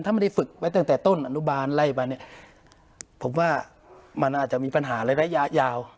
ถ้าไม่ได้ฝึกไว้ตั้งแต่ต้นอนุบาลไล่มาเนี่ยผมว่ามันอาจจะมีปัญหาในระยะยาว